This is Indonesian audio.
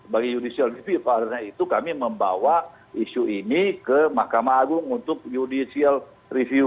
bagi judicial review karena itu kami membawa isu ini ke mahkamah agung untuk judicial review